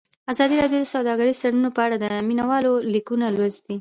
ازادي راډیو د سوداګریز تړونونه په اړه د مینه والو لیکونه لوستي.